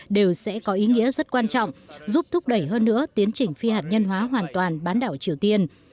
đều sẽ có ý nghĩa rất quan trọng giúp thúc đẩy hơn nữa tiến trình phi hạt nhân hóa hoàn toàn bán đảo triều tiên